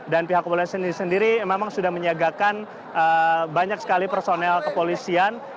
dan pihak pekopolisian ini sendiri memang sudah menyiagakan banyak sekali personel kepolisian